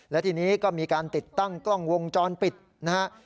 และทีนี้ก็มีการติดตั้งกล้องวงจรปิดนะฮะ